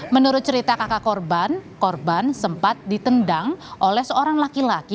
menurut cerita kakak korban korban sempat ditendang oleh seorang laki laki